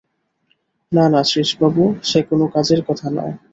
না না, শ্রীশবাবু, সে কোনো কাজের কথা নয়।